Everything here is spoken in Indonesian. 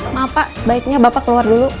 maaf pak sebaiknya bapak keluar dulu